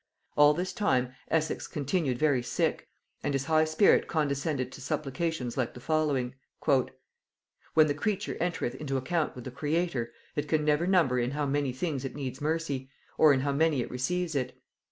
All this time Essex continued very sick; and his high spirit condescended to supplications like the following. "When the creature entereth into account with the Creator, it can never number in how many things it needs mercy, or in how many it receives it.